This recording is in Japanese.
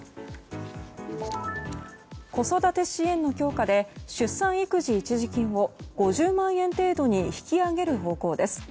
子育て支援の強化で出産育児一時金を５０万円程度に引き上げる方向です。